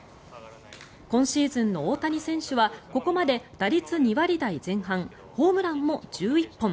今シーズンの大谷選手はここまで打率２割台前半ホームランも１１本。